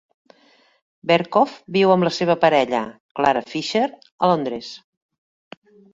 Berkoff viu amb la seva parella, Clara Fisher, a Londres.